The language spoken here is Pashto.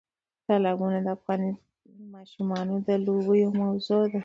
تالابونه د افغان ماشومانو د لوبو یوه موضوع ده.